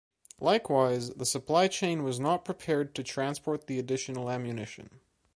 Likewise, the supply chain was not prepared to transport the additional ammunition.